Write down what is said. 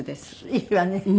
いいわね。